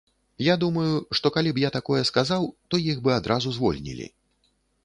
Я думаю, што калі б я такое сказаў, то іх бы адразу звольнілі.